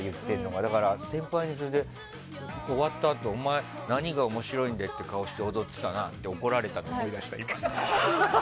だから先輩に、終わったあとお前、何が面白いんだって顔して踊ってたんだよって言われたの思い出した。